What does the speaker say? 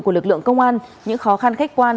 của lực lượng công an những khó khăn khách quan